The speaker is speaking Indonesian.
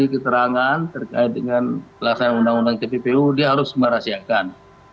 jadi keterangan terkait dengan pelaksanaan undang undang tppu dia harus merahasiakan